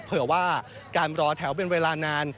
เผื่อว่าการรอแถวเป็นเวลานาน